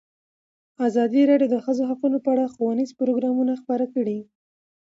ازادي راډیو د د ښځو حقونه په اړه ښوونیز پروګرامونه خپاره کړي.